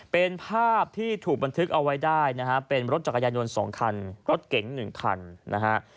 เป็นภาพที่ถูกบันทึกเอาไว้ได้นะฮะเป็นรถจักรยานยนต์๒คันรถเก๋ง๑คันนะฮะ